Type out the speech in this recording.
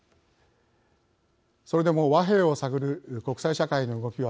それでも和平を探る国際社会の動きは続いています。